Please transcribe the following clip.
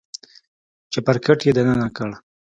چپرکټ يې دننه کړ.